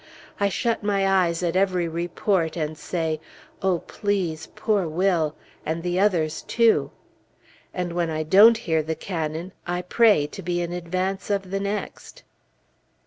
I shut my eyes at every report and say, "Oh, please! poor Will! and the others, too!" And when I don't hear the cannon, I pray, to be in advance of the next.